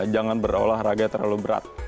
jangan berolahraga terlalu berat